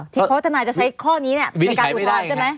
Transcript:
เพราะว่าธนายจะใช้ข้อนี้เนี่ยในการอุทธรรมใช่ไหม